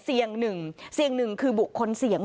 เสี่ยงหนึ่งเสี่ยงหนึ่งคือบุคคลเสี่ยง